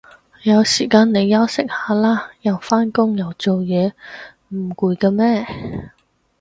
有時間你休息下啦，又返工又做嘢唔攰嘅咩